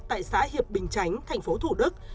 tại xã hiệp bình chánh thành phố thủ đức